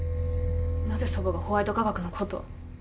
なぜ祖母がホワイト化学のことを？